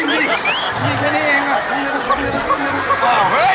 นี่เคยได้เองอ่ะเฮ้ย